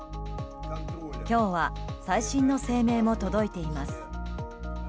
今日は最新の声明も届いています。